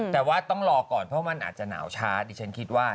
แต่ว่าต้องรอก่อนเพราะมันอาจจะหนาวช้าดิฉันคิดว่า